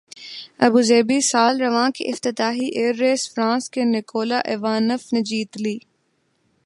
Abu Dhabi سال رواں کی افتتاحی ایئر ریس فرانس کے نکولا ایوانوف نے جیت لی